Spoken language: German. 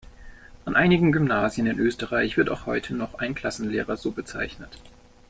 An einigen Gymnasien in Österreich wird auch heute noch ein Klassenlehrer so bezeichnet.